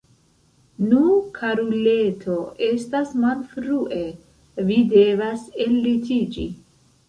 Nu, karuleto, estas malfrue, vi devas ellitiĝi!